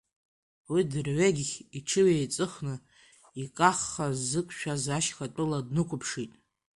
Уи дырҩегьых иҽыҩеицыхны икаххаа изықәшаз ашьхатәыла днықәыԥшит.